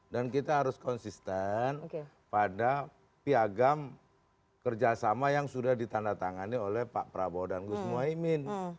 dan kita harus konsisten pada piagam kerjasama yang sudah ditandatangani oleh pak prabowo dan gus moaimin